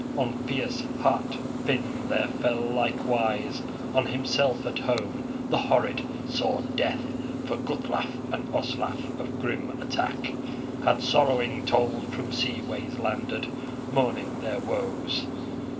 On fierce heart Finn there fell likewise, on himself at home, the horrid sword death; for Guthlaf and Oslaf of grim attack had sorrowing told, from sea ways landed, mourning their woes.